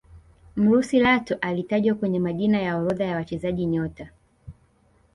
mrusi lato alitajwa kwenye majina ya orodha ya wachezaji nyota